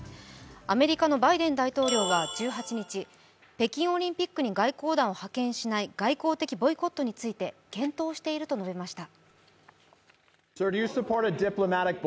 アメリカのバイデン大統領は１８日、北京オリンピックに外交団を派遣しない外交的ボイコットについて検討していると述べました。